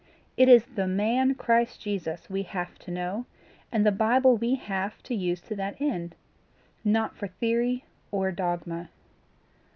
It is the man Christ Jesus we have to know, and the Bible we have to use to that end not for theory or dogma.